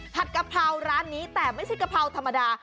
กะเพราร้านนี้แต่ไม่ใช่กะเพราธรรมดา